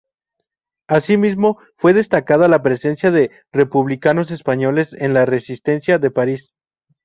Asimismo fue destacada la presencia de republicanos españoles en la Resistencia de París.